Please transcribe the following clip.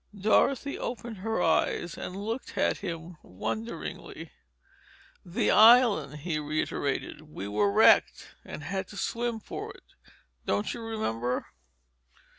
Dorothy opened her eyes, and looked at him wonderingly. "The island—" he reiterated. "We were wrecked—had to swim for it. Don't you remember?"